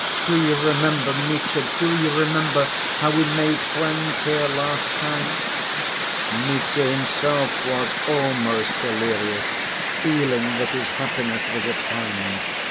Do you remember, Mitya, do you remember how we made friends here last time!" Mitya himself was almost delirious, feeling that his happiness was at hand.